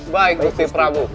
baik gusti prabu